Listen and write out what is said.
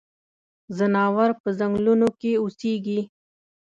ځناور پۀ ځنګلونو کې اوسيږي.